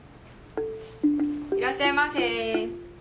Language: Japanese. いらっしゃいませ。